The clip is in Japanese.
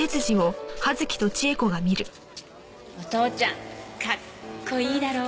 お父ちゃんかっこいいだろう？